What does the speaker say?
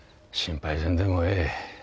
心配せんでもええ。